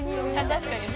確かに。